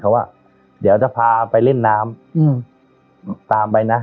เขาว่าเดี๋ยวจะพาไปเล่นน้ำตามไปนะ